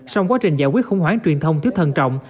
trong quá trình giải quyết khủng hoảng truyền thông thiếu thần trọng